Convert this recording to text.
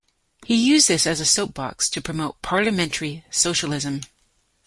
He used this as a soapbox to promote parliamentary socialism.